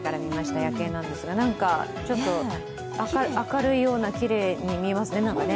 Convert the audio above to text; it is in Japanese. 夜景なんですが、明るいような、きれいに見えますね